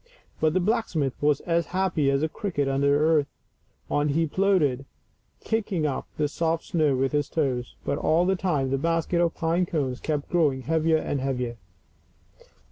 But the blacksmith was as happy as a cricket under the hearth ; on he plodded, kicking up the soft snow with his toes ; but all the time the basket of pine cones kept growing heavier and heavier.